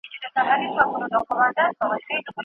د لويي جرګې پرېکړې ولي مهمي دي؟